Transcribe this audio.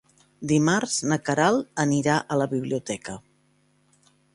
Dimarts na Queralt anirà a la biblioteca.